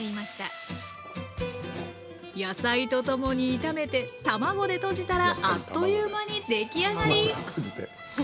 野菜と共に炒めて卵でとじたらあっという間に出来上がり！